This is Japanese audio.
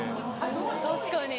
確かに。